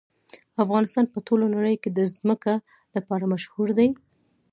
افغانستان په ټوله نړۍ کې د ځمکه لپاره مشهور دی.